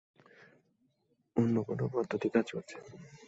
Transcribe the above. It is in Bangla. অন্য কোনো পদ্ধতি কাজ করছে।